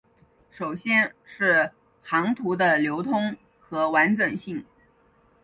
首先是航图的流通和完整性。